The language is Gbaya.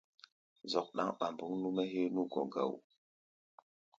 Zɔ́k ɗáŋ ɓambuŋ nú-mɛ́ héé nú gɔ̧ gá wó.